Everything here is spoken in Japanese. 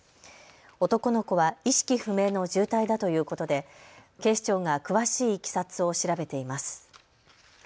男の子は意識不明の重体だということで警視庁が詳しいいきさつを調べています。